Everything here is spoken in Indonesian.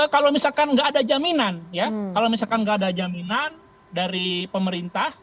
kalau misalkan nggak ada jaminan ya kalau misalkan nggak ada jaminan dari pemerintah